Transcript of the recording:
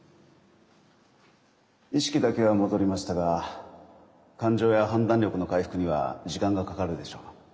意識だけは戻りましたが感情や判断力の回復には時間がかかるでしょう。